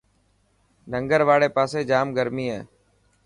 ننگر واڙي پاسي ڄام گرمي هي.